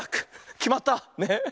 きまった。ね。